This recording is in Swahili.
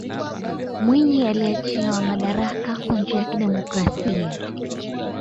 mwinyi aliachiwa madaraka kwa njia ya kidemokrasia